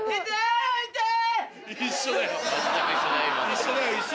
一緒だよ一緒。